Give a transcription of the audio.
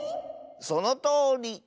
そのとおり。